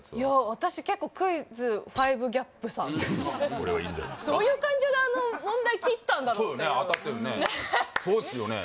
私結構クイズ５ＧＡＰさんどういう感情であの問題聞いてたんだろうっていうそうっすよね